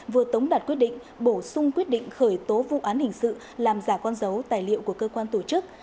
vừa tống đạt quyết định bổ sung quyết định khởi tố vụ án hình sự làm giả con dấu tài liệu của cơ quan tổ chức